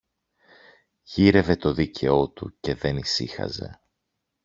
Γύρευε το δίκαιο του και δεν ησύχαζε!